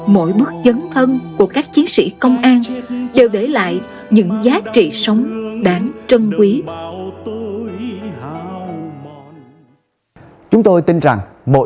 mỗi bước chấn thân của các chiến sĩ công an